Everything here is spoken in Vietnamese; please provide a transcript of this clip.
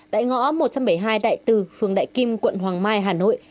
tại ngõ một trăm bảy mươi hai đại từ phường đại kim quận hoàng mai hà nội